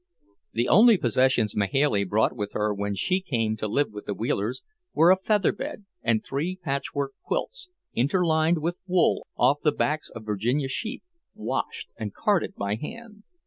The only possessions Mahailey brought with her when she came to live with the Wheelers, were a feather bed and three patchwork quilts, interlined with wool off the backs of Virginia sheep, washed and carded by hand.